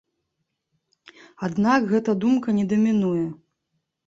Аднак гэта думка не дамінуе.